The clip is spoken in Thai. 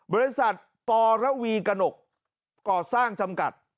บริษัทปรวีกระหนกก่อสร้างจำกัด